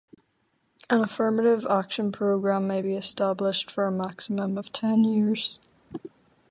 An affirmative action program may be established for a maximum of ten years.